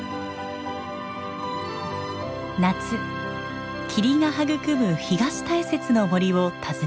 夏霧が育む東大雪の森を訪ねます。